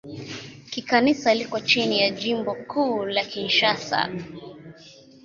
Kikanisa liko chini ya Jimbo Kuu la Kinshasa.